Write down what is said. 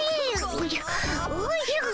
おじゃおじゃ。